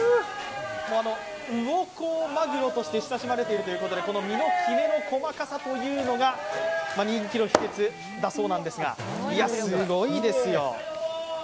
魚幸まぐろとして親しまれているということで、きめの細かさというのが人気の秘けつだそうなんですがいや、すごいですよ。